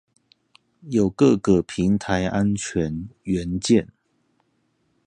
有各個平台安全元件